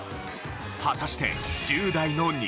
果たして。